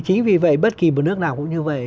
chính vì vậy bất kỳ một nước nào cũng như vậy